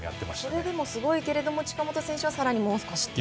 それでもすごいけれども近本選手はもう少しという。